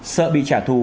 sợ bị trả thù